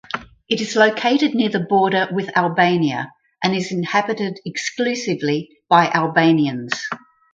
It is located near the border with Albania and is inhabited exclusively by Albanians.